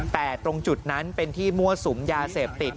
แต่ตรงจุดนั้นเป็นที่มั่วสุมยาเสพติด